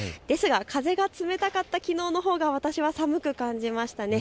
ですが風が冷たかったきのうのほうが私は寒く感じました。